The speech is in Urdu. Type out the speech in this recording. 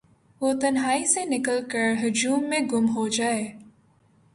وہ تنہائی سے نکل کرہجوم میں گم ہوجائے